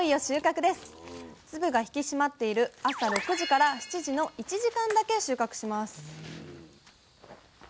粒が引き締まっている朝６時７時の１時間だけ収穫します